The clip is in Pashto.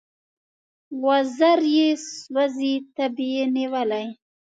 وزر یې سوزي تبې نیولی